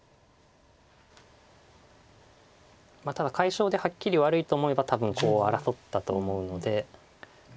ただ解消ではっきり悪いと思えば多分コウを争ったと思うので。